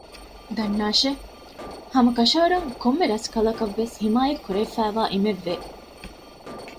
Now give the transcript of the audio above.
ދަންނާށޭ ހަމަކަށަވަރުން ކޮންމެ ރަސްކަލަކަށް ވެސް ޙިމާޔަތް ކުރެވިފައިވާ އިމެއް ވޭ